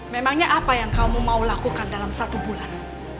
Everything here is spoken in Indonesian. memangnya apa yang kamu mau lakukan dalam satu bulan